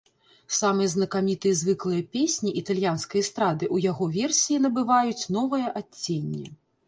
Самыя знакамітыя і звыклыя песні італьянскай эстрады ў яго версіі набываюць новае адценне.